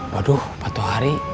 waduh patuh hari